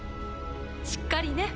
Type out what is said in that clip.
しっかりね。